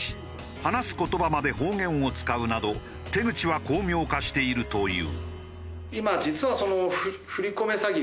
話す言葉まで方言を使うなど手口は巧妙化しているという。